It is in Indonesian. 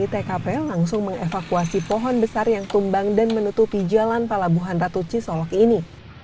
saya langsung mengevakuasi pohon besar yang tumbang dan menutupi jalan palabuhan ratuci solok ini